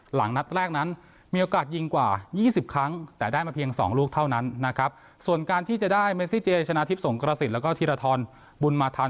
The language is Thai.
หลังนัดแรกนั้นมีโอกาสยิงกว่า๒๐ครั้งแต่ได้มาเพียง๒ลูกเท่านั้นนะครับ